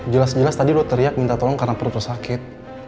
jelas jelas tadi lo teriak minta tolong karena perut sakit